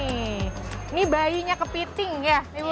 ini bayunya kepiting ya ibu ya